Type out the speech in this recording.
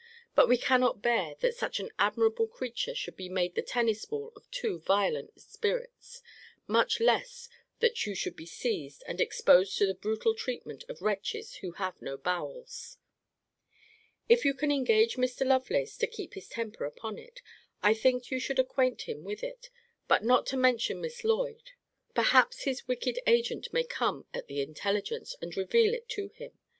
But we cannot bear that such an admirable creature should be made the tennis ball of two violent spirits much less that you should be seized, and exposed to the brutal treatment of wretches who have no bowels. If you can engage Mr. Lovelace to keep his temper upon it, I think you should acquaint him with it, but not to mention Miss Lloyd. Perhaps his wicked agent may come at the intelligence, and reveal it to him.